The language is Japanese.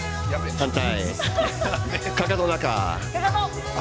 反対。